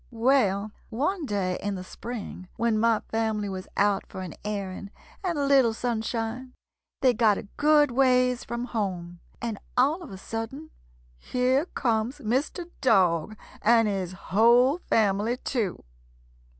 "] "Well, one day in the spring, when my family was out for an airing and a little sunshine, they got a good ways from home, and all of a sudden here comes Mr. Dog and his whole family, too.